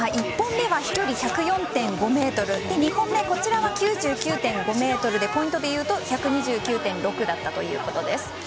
１本目は飛距離１０４．５ｍ２本目は９９．５ｍでポイントでいうと１２９．６だったということです。